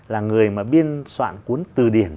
là người mà biên soạn cuốn từ điển